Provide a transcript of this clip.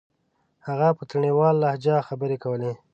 هغه په تڼيواله لهجه خبرې کولې.